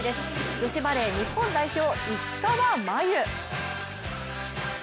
女子バレー日本代表石川真佑。